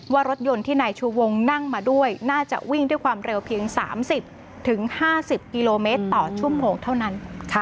ว่ารถยนต์ที่นายชูวงนั่งมาด้วยน่าจะวิ่งด้วยความเร็วเพียง๓๐๕๐กิโลเมตรต่อชั่วโมงเท่านั้น